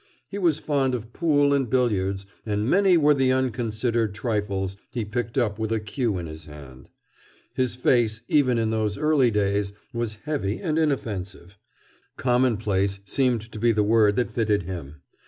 He was fond of pool and billiards, and many were the unconsidered trifles he picked up with a cue in his hand. His face, even in those early days, was heavy and inoffensive. Commonplace seemed to be the word that fitted him.